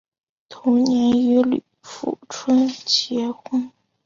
同年与李富春结婚。